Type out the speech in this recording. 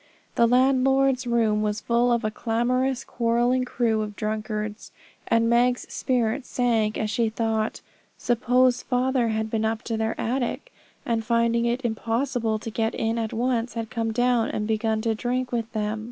The landlord's room was full of a clamorous, quarrelling crew of drunkards; and Meg's spirit sank as she thought suppose father had been up to their attic, and finding it impossible to get in at once, had come down, and begun to drink with them!